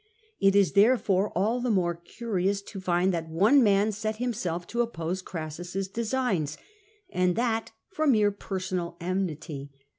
It is, therefore, all the more curious to find that one man set himself to oppose Orassus's designs, and that from mere personal enmity.